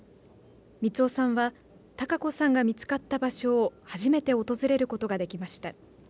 満雄さんは孝子さんが見つかった場所を初めて訪れることができました。